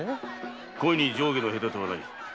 恋に上下の隔てはない。